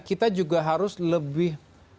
kita juga harus lebih